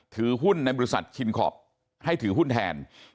ถือหุ้นในบริษัทชินคอปให้ถือหุ้นแทน